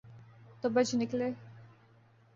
تو بچ نکلے۔